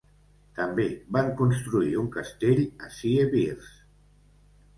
També van construir un castell a Siewierz.